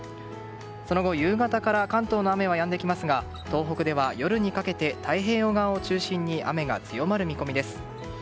その後、夕方から関東の雨はやんできますが東北では夜にかけて太平洋側を中心に雨が強まる見込みです。